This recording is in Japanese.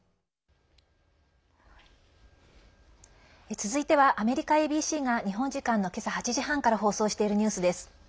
続いては、アメリカＡＢＣが日本時間の今朝８時半から放送しているニュースです。